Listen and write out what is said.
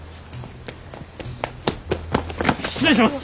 失礼します！